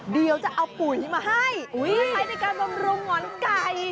เดี๋ยวจะเอาปุ๋ยมาให้ใช้ในการบำรุงหงอนไก่